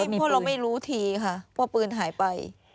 เพราะเราไม่รู้ทีค่ะว่าปืนหายไป